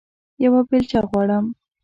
یوه بیلچه غواړم